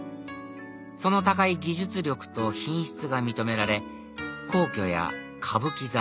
その高い技術力と品質が認められ皇居や歌舞伎座